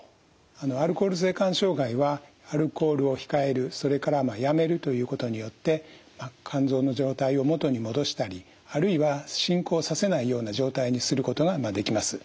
アルコール性肝障害はアルコールを控えるそれからやめるということによってまあ肝臓の状態を元に戻したりあるいは進行させないような状態にすることができます。